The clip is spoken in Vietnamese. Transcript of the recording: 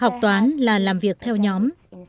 học toán là làm việc theo nhóm